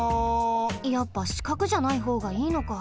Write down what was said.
やっぱしかくじゃないほうがいいのか。